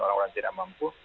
orang orang tidak mampu